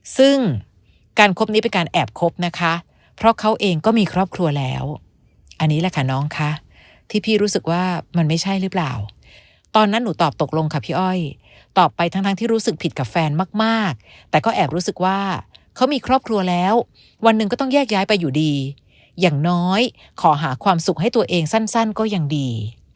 ซึ่งการคบนี้เป็นการแอบคบนะคะเพราะเขาเองก็มีครอบครัวแล้วอันนี้แหละค่ะน้องคะที่พี่รู้สึกว่ามันไม่ใช่หรือเปล่าตอนนั้นหนูตอบตกลงค่ะพี่อ้อยตอบไปทั้งที่รู้สึกผิดกับแฟนมากแต่ก็แอบรู้สึกว่าเขามีครอบครัวแล้ววันหนึ่งก็ต้องแยกย้ายไปอยู่ดีอย่างน้อยขอหาความสุขให้ตัวเองสั้นก็ยังดี